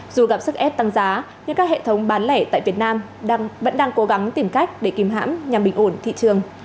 dù gặp sức ép tăng giá nhưng các hệ thống bán lẻ tại việt nam vẫn đang cố gắng tìm cách để kìm hãm nhằm bình ổn thị trường